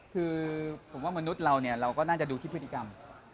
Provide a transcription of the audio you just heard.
คือผมว่ามนุษย์เราเนี่ยเราก็น่าจะดูที่พฤติกรรม